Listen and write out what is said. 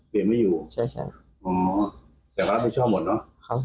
เปลี่ยนไม่อยู่ใช่อ๋อแต่ว่าไม่ชอบหมดเนอะ